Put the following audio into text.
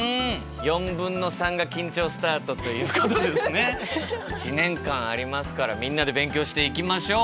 3/4が緊張スタートということでですね１年間ありますからみんなで勉強していきましょう。